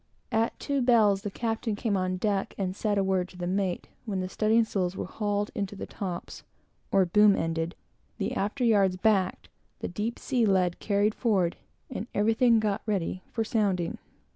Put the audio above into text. At two bells the captain came on deck, and said a word to the mate, when the studding sails were hauled into the tops, or boom ended, the after yards backed, the deep sea lead carried forward, and everything got ready for sounding.